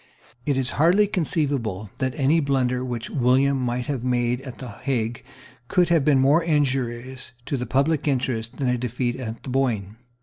It is hardly conceivable that any blunder which William might have made at the Hague could have been more injurious to the public interests than a defeat at the Boyne.